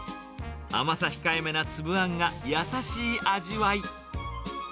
甘さ控えめな粒あんが優しい味わい。